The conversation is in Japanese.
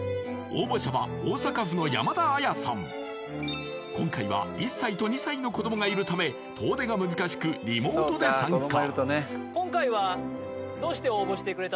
応募者は今回は１歳と２歳の子どもがいるため遠出が難しくリモートで参加